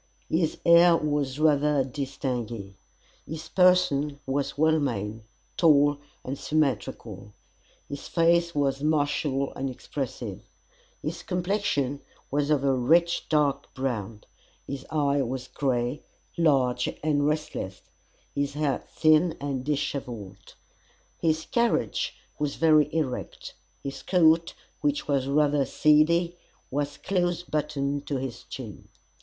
His air was rather distingué. His person was well made, tall and symmetrical. His face was martial and expressive. His complexion was of a rich dark brown; his eye was grey, large, and restless his hair thin, and dishevelled. His carriage was very erect; his coat, which was rather seedy, was close buttoned to his chin.